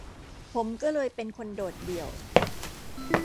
ผมก็เลยเป็นคนโดดเดี่ยว